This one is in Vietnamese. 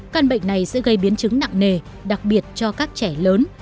căn bệnh này sẽ gây biến chứng nặng nề đặc biệt cho các trẻ lớn